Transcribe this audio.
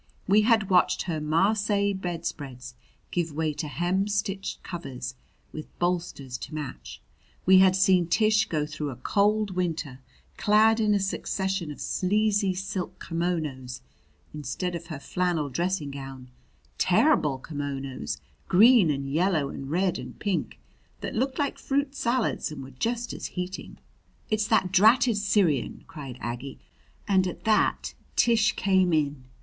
We had watched her Marseilles bedspreads give way to hem stitched covers, with bolsters to match. We had seen Tish go through a cold winter clad in a succession of sleazy silk kimonos instead of her flannel dressing gown; terrible kimonos green and yellow and red and pink, that looked like fruit salads and were just as heating. "It's that dratted Syrian!" cried Aggie and at that Tish came in.